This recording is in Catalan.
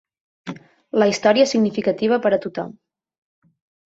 La història és significativa per a tothom.